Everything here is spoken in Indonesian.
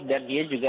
dan dia juga